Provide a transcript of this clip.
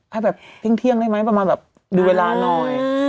ให้แบบเที่ยงต้องได้มั้ยการที่ดูเวลาน้อย